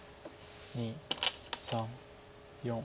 ２３４。